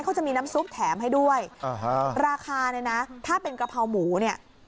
เขาจะมีน้ำซุปแถมให้ด้วยอ่าฮะราคาเนี่ยนะถ้าเป็นกะเพราหมูเนี่ย